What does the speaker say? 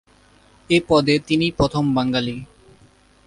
এ পদে তিনিই প্রথম বাঙালি।